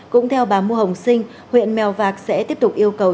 cũng theo bà mua hồng sinh huyện mèo vạc sẽ tiếp tục yêu cầu